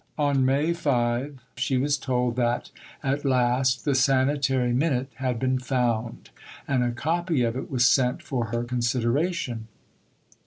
On May 5 she was told that "at last the Sanitary Minute had been found, and a copy of it was sent for her consideration.